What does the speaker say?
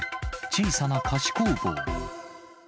小さな菓子工房。